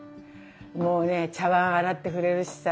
もうね茶わん洗ってくれるしさ。